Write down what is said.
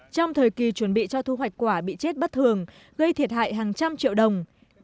trong thời kỳ chuẩn bị cho thu hoạch quả bị chết bất thường gây thiệt hại hàng trăm triệu đồng